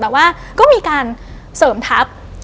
แต่ว่าก็มีการเสริมทัพ